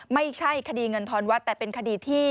ไม่ใช่คดีเงินทอนวัดแต่เป็นคดีที่